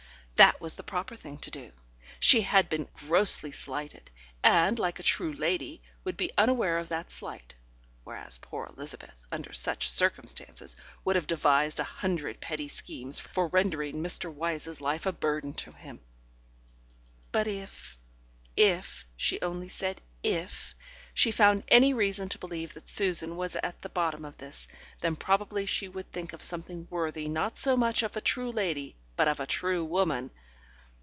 That was the proper thing to do; she had been grossly slighted, and, like a true lady, would be unaware of that slight; whereas poor Elizabeth, under such circumstances, would have devised a hundred petty schemes for rendering Mr. Wyse's life a burden to him. But if if (she only said "if") she found any reason to believe that Susan was at the bottom of this, then probably she would think of something worthy not so much of a true lady but of a true woman.